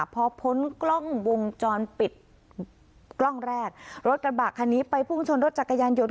พอพ้นกล้องวงจรปิดกล้องแรกรถกระบะคันนี้ไปพุ่งชนรถจักรยานยนต